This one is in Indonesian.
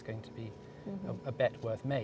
jangkaan yang berharga